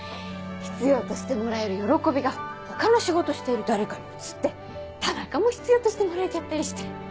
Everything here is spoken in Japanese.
必要としてもらえる喜びが他の仕事している誰かに移って田中も必要としてもらえちゃったりして。